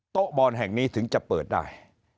บอลแห่งนี้ถึงจะเปิดได้